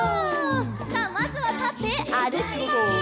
さあまずはたってあるきます！